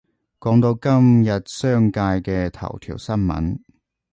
講到今日商界嘅頭條新聞